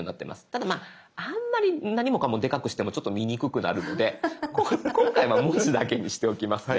ただあんまり何もかもでかくしてもちょっと見にくくなるので今回は文字だけにしておきますね。